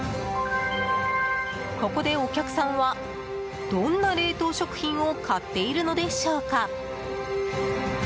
ここで、お客さんはどんな冷凍食品を買っているのでしょうか？